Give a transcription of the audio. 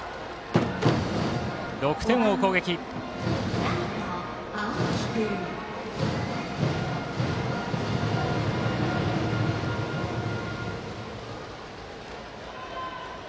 ６点を追う攻撃です。